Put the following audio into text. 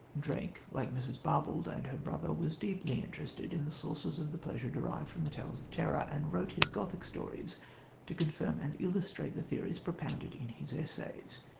Drake, like Mrs. Barbauld and her brother, was deeply interested in the sources of the pleasure derived from tales of terror, and wrote his Gothic stories to confirm and illustrate the theories propounded in his essays.